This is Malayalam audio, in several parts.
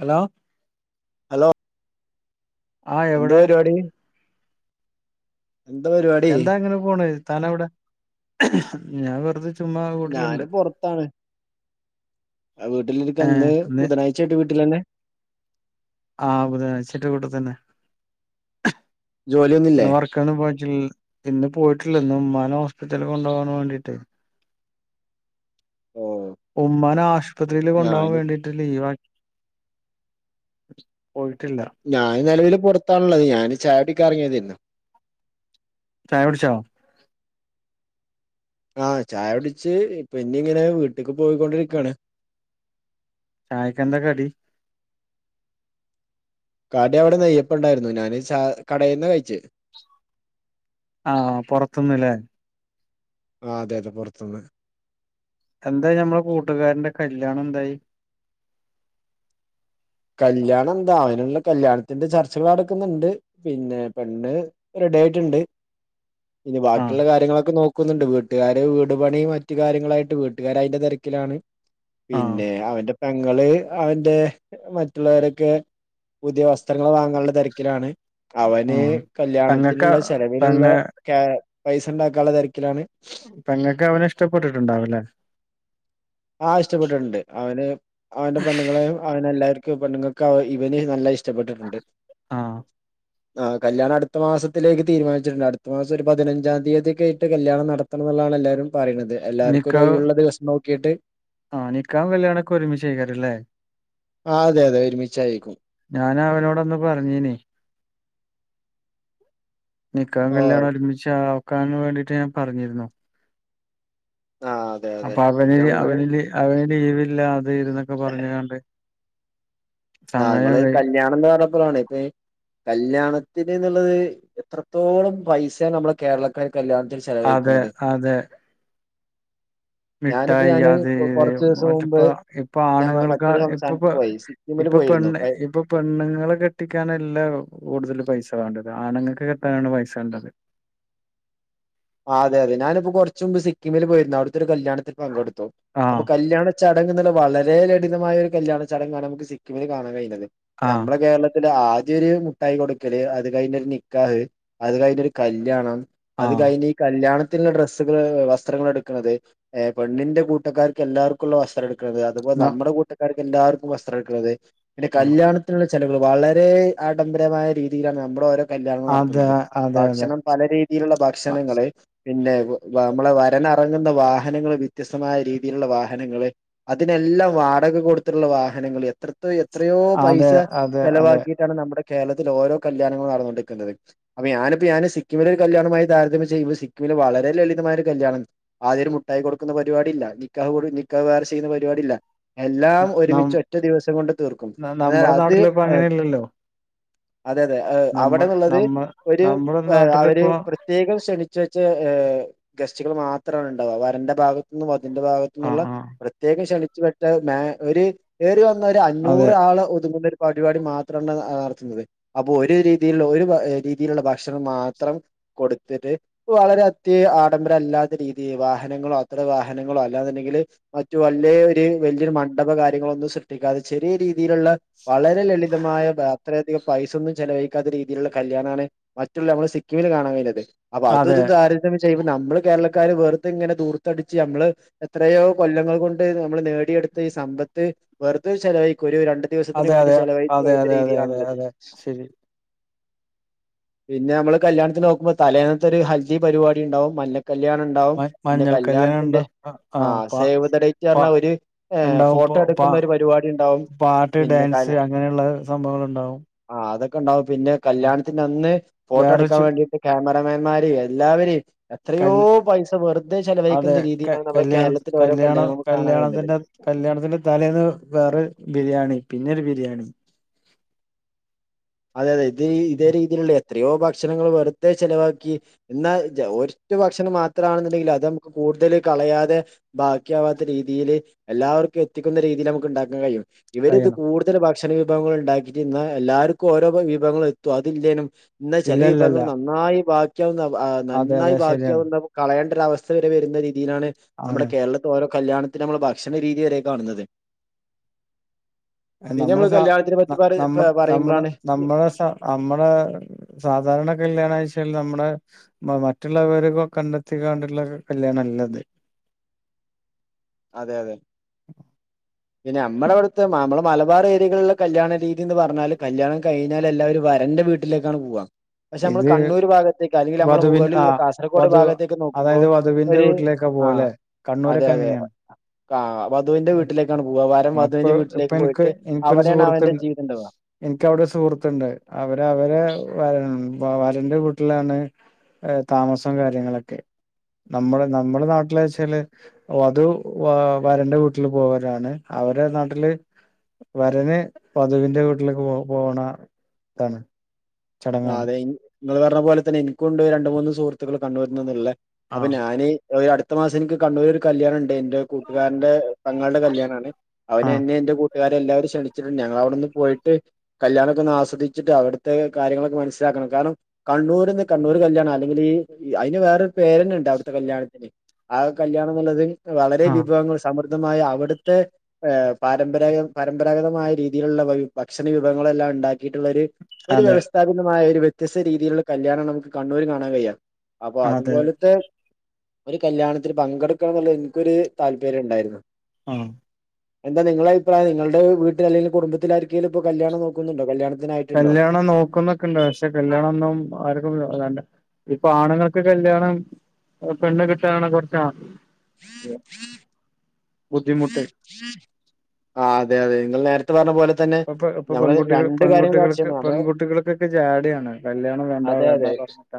ഹലോ ഹലോ ആ എന്താ എവിടെ പരിപാടി എന്താ പരിവാ എന്താ അങ്ങനെ പോണ് താനവിടെ ഞാൻ വെറുത ചുമ്മാ വീട്ടിലുണ്ട് ഞാന് ആഹ് വീട്ടിലിരിക്ക ഇന്ന് ബുധനാഴ്ചായിട്ട് വീട്ടിൽ തന്നെ ആഹ് ബുധനാഴ്ച്ചന്റെ വീട്ടി തന്നെ ജോലിയൊന്നുംല്ലേ [unintelligible] ഇന്ന് പോയിട്ടില്ല ഇന്ന് ഉമ്മാനെ ഹോസ്പിറ്റലിൽ കൊണ്ടുപോകാൻ വേണ്ടീട്ട് ഓ ഉമ്മാനെ ആശുപത്രിയിൽ കൊണ്ടോവാൻ ഞാന് വേണ്ടിട്ട് ട്ട് ലീവാക്കി പോയിട്ടില്ല ഞാൻ നിലവില് പുറത്താണ്ള്ളത് ഞാന് ചായ കുടിക്കാൻ ഇറങ്ങിയതാരുന്നു ചായ കുടിച്ചോ ആഹ് ചായ കുടിച്ച് ഇപ്പൊ ഇഞ് ഇങ്ങനെ വീട്ടിക്ക് പോയിക്കൊണ്ടിരിക്കുവാണ് ചായ്ക്ക്‌ എന്താ കടി കടി അവിടെ നെയ്യപ്പം ഉണ്ടായിരുന്നു ഞാൻ ചാ കടയിൽന്നാ കഴിച്ചത് ആഹ് പുറത്ത്ന്ന്ല്ലേ ആഹ് അതെ അതെ പുറത്തുന്ന് എന്തായി ഞമ്മളെ കൂട്ടുകാരന്റെ കല്യാണം എന്തായി കല്യാണം എന്താ അവനുള്ള കല്യാണത്തിന്റെ ചർച്ചകൾ നടക്കുന്നുണ്ട് പിന്നെ പെണ്ണ് റെഡി ആയിട്ട് ഉണ്ട് ഇനി ആ ബാക്കിയുള്ള കാര്യങ്ങളൊക്കെ നോക്ക ക്കുന്നുണ്ട് വീട്ടുകാര് വീട് പണി മറ്റു കാര്യങ്ങളായിട്ട് വീട്ടുകാര് അയ്ന്റെ തിരക്കിലാണ് ആ പിന്നെ അവന്റെ പെങ്ങള് അവന്റെ മറ്റുള്ളവരൊക്കെ പുതിയ വസ്ത്രങ്ങൾ വാങ്ങാനുള്ള തിരക്കിലാണ് ആ അവന് പെങ്ങക്ക കല്യാണത്തിനുള്ള ചെലവിനുള്ള പെങ്ങ ക്യാ പൈസണ്ടാക്കാനുള്ള തിരക്കിലാണ് പെങ്ങൾക്ക് അവനെ ഇഷ്ടപ്പെട്ടിട്ടുണ്ടാവല്ലേ ആഹ് ഇഷ്ടപ്പെട്ടിട്ടുണ്ട് അവന് അവന്റെ പെണ്ണുങ്ങളെയും അവന എല്ലാവർക്കും പെണ്ണുങ്ങൾക്ക് അവ ഇവനെയും നല്ല ഇഷ് ഷ്ട്ടപ്പെട്ടിട്ടുണ്ട് ആ ആഹ് കല്ലിയാണം അടുത്ത മാസത്തിലേക്ക് തീരുമാനിച്ചിട്ടുണ്ട് അടുത്ത മാസം ഒരു പതിനഞ്ചാം തീയതി ഒക്കെ ആയിട്ട് കല്യാണം നട ത്തണം എന്നുള്ളതാണ് എല്ലാവരും പറയ്ണത് എല്ലാവർക്കും ഒരു ഒഴിവുള്ള ദിവസം നോക്കിയിട്ട് ആഹ് നിക്കാഹും കല്യാണൊക്കെ ഒരുമിചെയ്യ്ക്കാരം ലെ ആഹ് അതെ അതെ ഒരുമിച്ചായിരിക്കും ഞാൻ അവനോടൊന്ന് പറഞ്ഞിനി നിക്കാഹും ഓ കല്യാണും ഒരുമിച്ച് ആക്കാൻ വേണ്ടിട്ട് ഞാൻ പറഞ്ഞിരുന്നു ആഹ് അപ്പൊ അവന് അവന് അവന് ലീവില്ല അത് ഇത് ന്നൊക്കെ പറഞ്കാണ്ട് ആഹ് നിങ്ങള് കല്യാണം എന്ന് പറഞ്ഞപ്പളാണ് ഇപ്പ കല്യാണത്തിന് എന്നുള്ളത് എത്രത്തോളം പൈസയാണ് നമ്മടെ കേരളക്കാർ കല്യാണത്തിന് അതെ ചെലവഴിക്കുന്നത് അതെ ഞാനിപ്പോ മിഠായി ഞാന് അത് ഇത് കൊറച്ച് ദിവസം മറ്റപ്പ മുമ്പ് ഇപ്പൊ ഞാൻ മ- ആണുങ്ങൾക്ക് മറ്റൊരു ഇപ്പപ്പ സംസ്ഥാനത്ത് പോയി സിക്കിമില് ഇപ്പൊ പോയിരുന്നു പെണ് ഇപ്പൊ പെണ്ണുങ്ങളെ കെട്ടിക്കാനല്ല കൂടുതൽ പൈസ വേണ്ടത് ആണുങ്ങൾക്ക് കെട്ടാനാണ് പൈസ വേണ്ടത് ആഹ് അതെ അതെ ഞാനിപ്പോ കൊറച്ച മുമ്പ് സിക്കിമിൽ പോയിരുന്നു അവിടുത്തെ ഒരു കല്യാണത്തി പങ്കെടുത്തു അപ്പ ആഹ് കല്യാണ ചടങ്ങ് എന്നുള്ള വളരെ ലളിതമായ ഒരു കല്യാണ ചടങ്ങാണ് നമുക്ക് സിക്കിമിൽ കാണാൻ കഴിഞ്ഞത് ആഹ് നമ്മുടെ കേരളത്തിൽ അ ആദ്യൊ ഒരു മുട്ടായി കൊടുക്കല് അത് കഴിഞ്ഞ് ഒരു നിക്കാഹ് അത് കഴിഞ്ഞ് ഒരു കല്യാണം അത് ആഹ് കഴിഞ്ഞ ഈ കല്യാണത്തിന്റെ ഡ്രസ്സുകള് വസ്ത്രങ്ങൾ എടുക്കണുന്നത് ഏഹ് പെണ്ണിന്റെ കൂട്ടക്കാർക്ക് എല്ലാവർക്കും ഉള്ള വസ്ത്രംടുക്കുന്നത് അതുപോലെ ന നമ്മുടെ കൂട്ടകാർക്ക് എല്ലാവർക്കും വസ്ത്രംഎടുക്കല് പിന്നെ കല്യാണത്തി ചെലുകൾ വളരെ ആഡംബരമായ രീതിയിലാണ് നമ്മുടെ ഓരോ കല്യാണം അതെ നടത്തുന്നത് അതെ അതെ ഭക്ഷണം പല രീതിയിലുള്ള ഭക്ഷണങ്ങള് പിന്നെ നമ്മളെ വരനറങ്ങുന്ന വാഹനങ്ങള് വ്യത്യസ്തമായ രീതിയിലുള്ള വാഹനങ്ങള് അതിനെല്ലാം വാടക കൊടുത്തിട്ടുള്ള വാഹനങ്ങൾ എത്രത്തോ എത്രയോ പൈസ അതെ അതെ അതെ ചെലവാക്കിട്ട് ണ് നമ്മുടെ കേരളത്തിൽ ഓരോ കല്യാണങ്ങളൾ നടന്നുകൊണ്ടിരിക്കുന്നത് അപ്പൊ ഞാനിപ്പോ ഞാന് സിക്കിമില ഒരു കല്യാണമായി താരതമ്യ ഇപ്പ സിക്കിമില് വളരെ ലളിതമായ ഒരു കല്യാണം ആദ്യം മുട്ടായി കൊടുക്കുന്ന പരിപാടി ഇല്ല നിക്ക നിക്ക വേർ ചെയ്യുന്ന പരിപാടി ഇല്ല എല്ലാം നം ഒരുമിച്ച് ഒറ്റ ദിവസം കൊണ്ട് തീർക്കും എന്നാൽ നമ്മുടെ അത് നാട്ടിലിപ്പ അങ്ങനെയല്ലല്ലോ അതെ അതെ നമ്മൾ അവിടെന്നുള്ളത് നമ്മ ഒരു നമ്മുടെ അവര് നാട്ടിലിപ്പോ പ്രത്യേകം ക്ഷണിച്ചു വെച്ച ഗസ്റ്റുകൾ മാത്രമാണ് ഉണ്ടാവ വരന്റെ ഭാഗത്തുന്നും വധുന്റെ ആ ഭാഗത്ത ആ പ്രത്യേകം ക്ഷണിച്ചുപട്ടറി വന്ന അതെ അഞ്ഞൂറ് ആള് ഒതുങ്ങുന്ന പരിപാടി മാത്രമാണ് നടത്തുന്നത് അപ്പൊ ഒരു രീതിയിലുള്ള ഒരു രീതിയിലുള്ള ഭക്ഷണം മാത്രം കൊടുത്തിട്ട് വളരെ അത്യ ആഡംബരമല്ലാത്ത രീതി വാഹനങ്ങളോ അത്ര വാഹനങ്ങളോ അല്ലാന്ന്ണ്ടെങ്കിൽ മറ്റു വല്ല ഒരു വലിയൊരു മണ്ഡപം കാര്യങ്ങളൊന്നും സൃഷ്ടിക്ക അതെ ചെറിയ രീതിയിലുള്ള വളരെ ലളിതമായ അത്രയധികം പൈസൊന്നും ചെലവഴിക്കാത്ത രീതിയിലുള്ള കല്യാണാണ് മറ്റുള്ള നമ്മള് സിക്കിമിൽ കാണാൻ കഴിഞ്ഞത് അപ്പൊ അത അതെ ഇത ചെയ്യുമ്പ നമ്മള് കേരളക്കാര് വെറുതെങ്ങനെ ദുർത്തടിച്ചു നമ്മള് എത്രയോ കൊല്ലങ്ങൾ കൊണ്ട് നമ്മൾ നേടിയെടുത്ത ഈ സമ്പത്ത് വെറുതെ ചെലവായിക്ക്‌ ഒരു രണ്ട് ദിവസത്തിന് അതെ വേണ്ടി അതെ ചെലവഴിച്ച അതെ കഴിയുന്ന അതെ അതെ അതെ രീതിയിലാണുള്ളത് അതെ ശരി പിന്നെ നമ്മള് കല്യാണത്തി നോക്കുമ്പോ തലേന്ന് ഇതൊരു ഹൽദി പരിവാടി ഉണ്ടാവും മല്ലകല്യാണ ഉ- ണ്ടാവും മ പിന്നെ മഞ്ഞൾ കല്യാണം ഉണ്ട കല്യാണത്തിന്റെ ആ സേവ് ദ ഡേറ്റ് പ കാരണം അവർ ഉണ്ടാവും പ ഫോട്ടോ എടു പ പാട്ട് ഡാൻസ് അങ്ങനെയുള്ള സംഭവങ്ങളൂണ്ടാവും ആഹ് അതൊക്കെ ഉണ്ടാവും പിന്നെ കല്യാണത്തിനന്ന് ഫോട്ടോ വേറെ എടുക്കാൻ ചു വേണ്ടിട്ട് ക്യാമറ- മ്യാന്മാരും എല്ലാവരെയും എത്രയോ കല് പൈസ വെറുതെ അതെ ചെലവയിക്കുന്ന ക രീതിയിലാണ് നമ്മള കല്യാണ കേരളത്തിലെ ഓരോ കല്യാണ കല്യാണം നമുക്ക് കാണാ കയിയുന്നത് കല്യാണത്തിന്റെ കല്യാണത്തിന്റെ തലേന്ന് വേറെ ബിരിയാണി പിന്നൊരു ബിരിയാണി അതെ അതെ ഇത് ഇതേ രീതിയിലുള്ള എത്രയോ ഭക്ഷണങ്ങൾ വെറുത ചിലവാക്കി എന്നാ ജ ഒര്റ്റ ഭക്ഷണം മാത്രമാണെന്നുണ്ടെങ്കിൽ അത് നമുക്ക് കൂടുതൽ കളയാതെ ബാക്കിയാവാത്ത രീതിയിൽ എല്ലാവർക്കും എത്തിക്കുന്ന രീതിൽ നമുക്ക് ഉണ്ടാക്കാൻ കയിയും ഇവര് ഇത് കഴിയണം കൂടുതൽ ഭക്ഷണ വിഭവങ്ങൾ ഉണ്ടാക്കിട്ട് ന്നാ എല്ലാർക്കും ഓരോ [unintelligible] വിഭവങ്ങളും എത്തും അതില്ലേനും ഇന്നാ ചില ഇല്ലല്ലല്ല വിഭവങ്ങൾ നന്നായി ബാക്കിയാവുന്ന ആ അതെ അതെ നന്നായി ശരിയാണ് ബാക്കിയാവുന്ന കളയേണ്ട ഒരവസ്ഥ വരെ വരുന്ന രീതിയിലാണ് ആണ് നമ്മുടെ കേരള- ഓരോ കല്യാണത്തിന് നമ്മള് ഭക്ഷണ രീതി വരെ കാണുന്നത് അത് പിന്നെ നമ്മുടെ നമ്മള് കല്യാണത്തിനെ പറ്റി പറ പറയുമ്പോളാണ് നമ്മള സ നമ്മളെ സാധാ- ധരണ കല്യാണച്ചാൽ നമ്മുടെ മ മറ്റുള്ളവര കണ്ടെത്തിക്കാണ്ടിള്ള കല്യാണം അല്ലത് അതെ അതെ [inaudible] പിന്നെ അമ്മളവിടുത്തെ മാമ്മള് മലബാർ ഏരികളിള്ള കല്യാണ രീതി എന്ന് പറഞ്ഞാല് കല്യാണം കഴിഞ്ഞാ എല്ലാരും വരന്റെ വീട് ട്ടിലേക്കാണ് പോവ പക്ഷെ അമ്മള് ഇത് കണ്ണൂർ ഭാഗത്തേക്കാ അല്ലെങ്കിൽ അമ്മളെ വധുവിൻ മുകളിലുള്ള ആഹ് കാസർഗോട് ഭാഗത്തേക്ക് നോക്കുമ്പോൾ ഒരു ക്കെ പോലെ അതെ കണ്ണൂരൊക്കെ അതെ അങ്ങനെയാണ് ആഹ് വധുവിന്റെ വീട്ടിലേക്കാണ് പോവ വരൻ അപ്പൊ വധുവിന്റെ ഇപ്പൊ വീട്ടിലേക്ക് എനിക്ക് പോയിട്ട് എനിക്കൊരു അവിടെയാണ് അവന്റെ സുഹൃത്തുണ്ട്. ജീവിതംണ്ടാവാ എനിക്കവിടെ സുഹൃത്തുണ്ട് അവര് അവരെ വരൻ വ വരന്റെ വീട്ടിലാണ് അ താമസം കാര്യങ്ങളൊക്കെ നമ്മള് നമ്മുടെ നാട്ടില്ച്ചാല് ഓ അതു വ വരന്റെ വീട്ടില് പോവരാണ് അവരെ നാട്ടില് വരന് വധുവിന്റെ വീട്ടിലേക്ക് പോ പോണ താണ് ആ അതെ ഇങ്ങള് പറഞ്ഞ പോലെ തന്നെ എനിക്കുണ്ട് രണ്ട് മൂന്ന് സുഹൃത്തുക്കൾ കണ്ണൂരുന്ന്ന്നുള്ളേ അപ്പൊ ആഹ് ഞാന് ഒരു അടുത്ത മാസം ഇന്ക്ക് കണ്ണൂരൊരു കല്യാണം ഉണ്ട് എന്റെ കൂട്ടുകാരന്റെ പെങ്ങള്ടെ കല്യാണാണ് അവനെന്നെ എന്റെ കു- ട്ടാരെ എല്ലാവരേം ക്ഷണിച്ചിട്ടു ഞങ്ങളവിടൊന്നു പോയിട്ട് കല്യാണൊക്ക ഒന്ന് ആസ്വദിച്ചിട്ട് അവിടുത്തെ കാര്യങ്ങളൊക്കെ മനസ്സിലാക്കണം കാരണം കണ്ണൂര്ന്ന് കണ്ണൂർ കല്യാണം അല്ലെങ്കില് ഇ അയിന് വേറൊരു പേര്ന്നെണ്ട് അവിടുത്തെ കല്യാണത്തിന് ആ കല്യാണന്നുള്ളത് വളരെ ആഹ് വിഭവങ്ങൾ സമൃദ്ധമായ അവിടുത്തെ ആ പരമ്പരാഗ പരമ്പരാഗതമായ രീതിയിലുള്ള ഭക്ഷണ വിഭവങ്ങളെല്ലാം ഉണ്ടാക്കിയിട്ടുള്ള ഒരു ഒരു അതെ വ്യവസ്ഥാപിതമായ ഒരു വ്യത്യസ്ത രീതിയിലുള്ള കല്യാണം നമുക്ക് കണ്ണൂര് കാണാൻ കയിയാ അപ്പൊ അതെ അതുപോലത്തെ ഒരു കല്യാണത്തിൽ പങ്കെടുക്കണന്നുള്ള എൻക്കൊരു താല്പര്യ ഉണ്ടാരുന്നു ആ എന്താ നിങ്ങളാ അഭിപ്രായ നിങ്ങളുടെ വീട്ടിൽ അല്ലെങ്കി കുടുംബത്തില ആർകെലും ഇപ്പോ കല്യാണം നോക്കുന്നുണ്ടോ കല്യാണത്തിനായിട്ടുണ്ടോ ണ നോക്കുന്ന ക്ക്ണ്ട് അക്ഷെ കല്യാണന്നും ആർക്കും [unintelligible] ഇപ്പൊ ആണുങ്ങൾക്ക് കല്യാണം പെണ്ണ് കിട്ടാനാണ് കുറച്ച ആഹ് ബുദ്ധിമുട്ട് ആഹ് അതെ അതെ നിങ്ങൾ നേര്- ആ പ്പൊ ഇപ്പൊ പെൺകുട്ടികൾ കാര്യങ്ങൾ ചർച്ച പെൺകുട്ടികൾക്ക് ചെയ്യണം നമ്മള് പെൺകുട്ടികൾക്കൊക്കെ ജാടെയാണ് കല്യാണം വേണ്ട അതെ അതെ വേണ്ട പറഞ്ഞിട്ട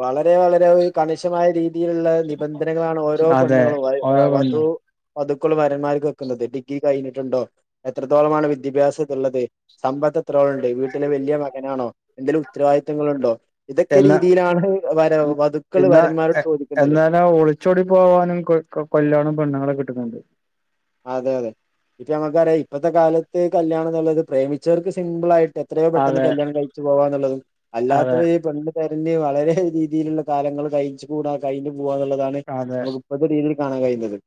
വളരെ വളരെ കണിശമായ രീതിയിലുള്ള നിബന്ധനകളാണ് ഓരോ അതെ പെണ്ണുങ്ങളും വൈ ഓരോ പെണ്ണ് വധു വധുക്കള് വരന്മാർക്ക് വെക്കുന്നത് ഡിഗ്രി കയിഞ്ഞിട്ടുണ്ടോ എത്രത്തോളമാണ് വിദ്യഭ്യാസംന്നുള്ളത് സമ്പത്ത് എത്രോളുണ്ട് വീട്ടിലെ വല്യയ മകനാണോ എന്തേലും ഉത്തരവാദിത്തങ്ങളുണ്ടോ ഇതൊക്കെ എന്നാ രീതിയിലാണ് വര ഉം വധുക്കള് വരന്മാരോട് ചോദിക്കുന്നത് ഒളിച്ചൊടി പോകാനും കൊ കൊല്ലാനും പെണ്ണുങ്ങളെ കിട്ടുന്നുണ്ട് അതെ അതെ ഇപ്പ നമുക്കറിയാം ഇപ്പത്തെ കാലത്ത് കല്യാണം എന്നുള്ളത് പ്രേമിച്ചവർക്ക് സിംമ്പിൾ ആയിട്ട് എത്രയോ പെട്ടെന്ന് അതെ കല്യാണം കഴിച്ചു പോവാ എന്നുള്ളതും അതെ അല്ലാത്തവ ഈ പെണ്ണ് തെരഞ്ഞു വളരെ രീതിയിലുള്ള കാലങ്ങൾ കഴിച്ചു കൂടാ കഴിഞ്ഞു പോകുന്നുള്ളതാണ് അതെ നമുക്ക് ഇപ്പോത്തെ രീതിയി കാണാൻ കഴിയുന്നത്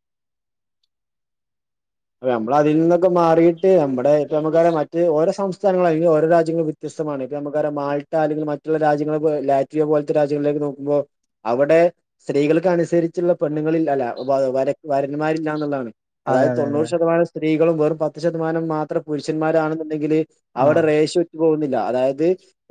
അപ്പ നമ്മള അതിൽ നിന്നൊക്കെ മാറിയിട്ട് നമ്മുടെ നമുക്കെ മറ്റ് ഓരോ സംസ്ഥാനങ്ങളൾ അല്ലെങ്കിൽ ഓരോ രാജ്യങ്ങൾ വ്യത്യതമാണ് ഇപ്പൊ നമുക്കറിയ മാൾട്ട അല്ലെങ്കിൽ മറ്റുള്ള രാജ്യങ്ങള് ലാറ്റിയോ പോലത്തെ രാജിയങ്ങളിലേക്ക് നോക്കുമ്പോ അവിടെ സ്ത്രീകൾക്ക് അനുസരിച്ചുള്ള പെണ്ണുങ്ങളില്ല അല്ല വര വരന്മാരില്ല എന്നുള്ളതാണ് അതെ അതായത് അതെ അതെ തൊണ്ണൂറ് ശതമാനം സ്ത്രീകളും വെറും പത്ത് ശതമാനം മാത്രം പുരുഷന്മാരാണെന്നുണ്ടെങ്കില് അവിടെ ആഹ് റെഷു ഒറ്റു പോകുന്നില്ല അതായത്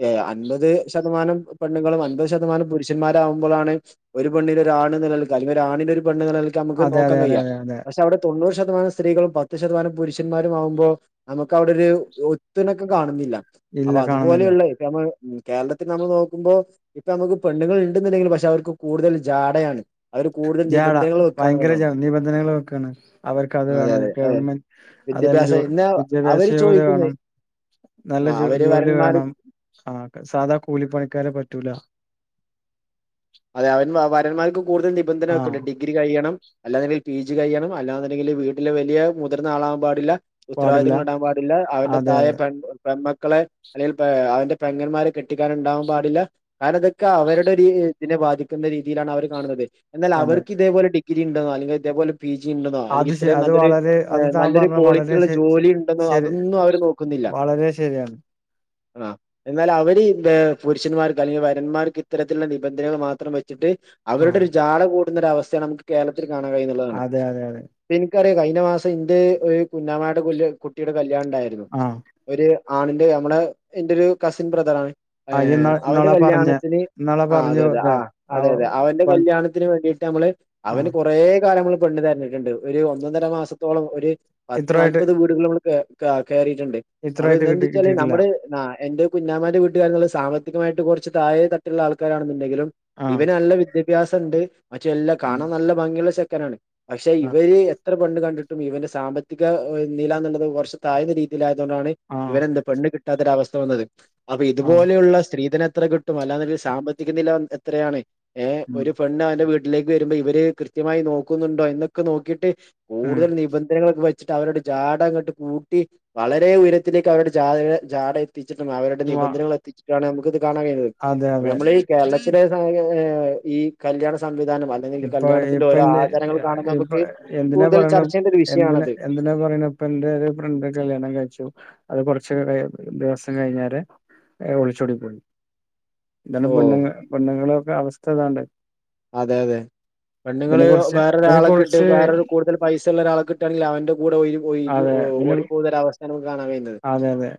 ഏയ് അൻപത് ശതമാനം പെണ്ണുങ്ങളും അൻപത് ശതമാനം പുരുഷന്മാരകുമ്പോഴാണ് ഒരു പെണ്ണിന് ഒരു ആണ് എന്ന നിലക്ക് അല്ലെങ്കിൽ ഒരു ആണിന് ഒരു പെണ്ണ് എന്ന് നിലക്ക് നമുക്ക് അതെ നോക്കാൻ അതെ അതെ കഴിയാ അതെ അതെ പക്ഷ് തൊണ്ണൂറ് ശതമാനം സ്ത്രീകളും പത്ത് ശതമാനം പുരുഷന്മാരും ആകുമ്പോ നമുക്ക് അവിടെ ഒരു ഒത്ത്ണക്കം കാണുന്നില്ല ഇല്ല അപ്പൊ കാണുന്നില്ല അതുപോലെയുള്ളത് നമ്മൾ കേരളത്തിൽ നമ്മൾ നോക്കുമ്പോൾ ഇപ്പൊ നമുക്ക് പെണ്ണുൾ ഉണ്ടന്നുണ്ടെങ്കിൽ പക്ഷെ അവർക്ക് കൂടുതൽ ജാടയാണ് അവര് കൂടുതൽ ജാടാ നിബന്ധനകൾ ഭയങ്കര വെക്കാണെന്നുള്ളതാണ് ജാട നിബന്ധനകൾ വെക്കാണ് അവർക്കത് അതെ വേണം അതെ അതെ ഗവൺമെന്റ് അതായത് ജോ വിദ്യാഭ്യാസം എന്നാ വിദ്യാഭ്യാസ അവര് യോഗ്യത ചോദിക്കുന്നത് വേണം നല്ല ആ ജോ അവര് ജോലി വരന്മാര് വേണം ആഹ് സാധാ കൂലിപ്പണിക്കാരെ പറ്റൂല അതെ അവൻ വരന്മാർക്ക് കൂടുതൽ നിബന്ധന ആഹ് ഒക്കെണ്ട്ട്ടി ഡിഗ്രി കഴിയണം അല്ലാതെ പി ജി കഴിയണം അല്ലാന്ന്ണ്ടങ്കില് വീട്ടില് വലിയ മുതിർന്നാളാകാൻ പാടില്ല പാടില്ല ഉത്തരവാദിത്തങ്ങൾ ഇണ്ടാവാൻ പാടില്ല അവന്റെ അതെ തായെ അതെ പെൺ പെൺമക്കളെ അല്ലെങ്കിൽ അവന്റെ പെങ്ങന്മാരെ കെട്ടിക്കാൻ ഇണ്ടാവാൻ പാടില്ല കാര ഇതൊക്കെ അവരുടെ രീ ഇതിനെബാധിക്കുന്നരീതിയിലാണ്അവർ കാണുന്നത് എന്നാൽ അതെ അവർക്ക് ഇതേപലെ ഡിഗ്രി ഇണ്ടോ അല്ലെങ്കിൽ ഇതേപോലെ അത് ശ പിജിഇണ്ടെന്നോഅല്ലെങ്കിൽഇത്രയും അത് നല്ലൊരു വളരെ അത് താൻ നല്ലൊരു പറഞ്ഞ ക്വാളിറ്റി വളരെ ഉള്ള ശ ശ ജോലി ഉണ്ടെന്നോ ശരി അതൊന്നും അവർ നോക്ക വളരെ ശരിയാണ് ആഹ് എന്നാൽ അവര് പുരുഷന്മാർക്ക് അല്ലെങ്കിൽ വരന്മാർക്ക് ഇത്തരത്തിലുള്ള നി നിബന്ധനകൾ മാത്രം വെച്ചിട്ട് അവരുടെ ആഹ് ഒരു ജാള കൂടുന്നൊര അവസ്ഥാ ണ് നമ്മക്ക് കേരളത്തിൽ കാണാ കഴിയുള്ളതാണ്. അതെ അതെ അതെ പ്പ എനിക്കറിയാം കഴിഞ്ഞ മാസം ഇന്റെ ഒരു കുഞ്ഞാമാടെല് കുട്ടിയുടെ കല്യാണം ഇണ്ടായിരുന്നു ആഹ് ഒരു ആണിന്റെ നമ്മളെ എന്റെ ഒരു കസിൻ ബ്രദറാണ് ആ ഇയ്യ് ഇന്നാ അവന്റെ ഇന്നാളാ പറഞ്ഞെ കല്യാണത്തിന് ഇന്നാളാ ആഹ് അതെ പറഞ്ഞു അതെ ല്ലേ ആ ആഅതെഅതെ അവന്റെ വൺ കല്യാണത്തിന് വേണ്ടിയിട്ട് നമ്മള് ആ അവന് കുറേ കാല നമ്മൾ പെണ്ണ് തെരഞ്ഞിട്ടുണ്ട് ഒരു ഒന്ന ഒന്നര മാസത്തോളം ഒരു പത്ത് ഇത്രായിട്ട് നാല്പത് വീട്ടി ഇത് ല് നമ്മള് കേറീട്ട്ണ്ട് ഇത് ഇത്രായിട്ട് കിട്ടി എന്താച്ചാല് കിട്ടിയിട്ടില്ല നമ്മൾ എന്റെ കുഞ്ഞാമാന്റെവീട്ടുകാരസാമ്പത്തികമായിട്ട് കൊറച്ച്താഴെതട്ടുള്ള ആൾക്കാരാണെന്നുണ്ടെങ്കിലും ആ ഇവന് നല്ല വിദ്യ ഭ്യാസം ഇണ്ട് മറ്റ് എല്ലാം ഉം കാണാൻ നല്ല ഭംഗിയുള്ള ചെക്കനാണ് പക്ഷെ ആ ഇവര് എത്ര പെണ്ണ് കണ്ടിട്ടും ഇവന്റെ സാമ്പത്തിക നില എന്നുള്ളത് കുറച്ച്താഴ്ന്ന രീതി യിലായതുകൊണ്ടാണ് ആ ഇവനെന്ത് പെണ്ണ് കിട്ടാത്തൊരു അവസ്ഥ വന്നത് അപ്പൊ ആ ഇതുപോലെയുള്ള സ്ത്രീധന എത്ര കിട്ടു ട്ടുംഅല്ല സാമ്പത്തിക നില എത്രയാണ് ഏഹ് ഉം ഒരു പെണ്ണ് അവന്റെ വീട്ട ട്ടിലേക്ക് വരുമ്പോ ഇവര് കൃത്യമായി നോക്കുന്നുണ്ടോ എന്നൊക്കെ നോക്കിട്ട് ഉം കൂടുതൽ നിബന്ധ വെച്ചിട്ട് അവരുടെ ജാട അങ്ങോട്ട് കൂട്ടി വളരെ ഉയരത്തിലേക്ക് അവരുടൊ ജാട വ എത്തിച്ചിട്ടുംഅവരുടെനിബന്ധനകൾ എത്തിച്ചിട്ടാണ് നമുക്കിത് കാണാൻ കഴിയുന്നത് അതെ അപ്പ അതെ നമ്മള് ഈ കേരളത്തിലെ ഈ സംഗതി ഈകല്യാണ സംവിധാനം അല്ല ഇപ്പൊ ഇപ്പ എന്റെ അഈകല്യാണത്തിന്റെഓരോചാരങ്ങൾ കാണുമ്പോൾ ഇപ്പൊ നമുക്ക് എന്തിനാ കൂടുതൽ പറയണെ ചർച്ച ചെയേണ്ട ഒരു എന്തിന് വിഷയാണത് എന്തിനാ പറയണത് ഇപ്പം എന്റെ ഒരു ഫ്രണ്ട് കല്യാണം കഴിച്ചു അത് കുറച്ച് ദിവസം കഴിഞ്ഞാരെഒളിച്ചോടിപ്പോയി ഇതാണ് ഓഹ് പെണ്ണുങ്ങ പൊണ്ണുങ്ങളൾക്കെ അവസ്ഥ ഇതാണ്ട് അതെ അതെ ഇതിനെ പെണ്ണുങ്ങള് കുറിച്ച് ഇതിനെ വേറൊരാളെക്കെട്ട് കുറിച്ച് വേറരു കൂട്തല് പൈസഉള്ളഒരാളെ കിട്ടണെങ്കില് അവന്റെ കൂടെ ഒയിഞ്ഞ് ഒഴ്കി അതെ ഇതിനെ ഓടി പോകുന്ന ഒരവസ്ഥയാണ് നമ്മക്ക് കാണാൻ കഴിന്നത് അതെ അതെ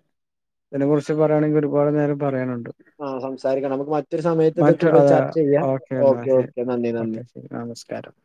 ഇതിനെ കുറിച്ച് പറയാണെങ്കിൽ ഒരുപാട് നേരം പറയാനുണ്ട് ആഹ് സംസാരിക്കണം നമുക്ക് മറ്റൊരു സമയത്ത് ഇത് മറ്റ് കൂടുതൽ ചർച്ച ചെയ്യാം എന്നാൽ ഓക്കെ ശരി ഓക്കെ നന്ദി നന്ദി ഓക്കെ നമസ്കാരം